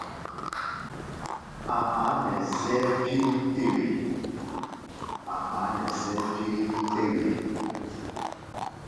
A̧ a̧á̧ nɛ zɛ́ɛ́ pirím-tɛ́-wee.